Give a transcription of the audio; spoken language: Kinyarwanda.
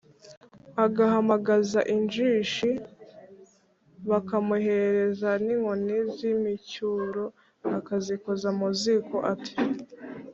agahamagaza injishi bakamuhereza n’inkoni z’imicyuro akazikoza mu ziko ati